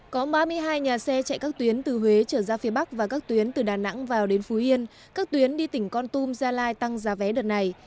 có ba mươi hai nhà xe chạy các tuyến từ huế trở ra phía bắc và các tuyến từ đà nẵng vào đến phú yên các tuyến đi tỉnh con tum gia lai tăng giá vé đợt này